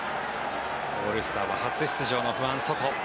オールスターは初出場のフアン・ソト。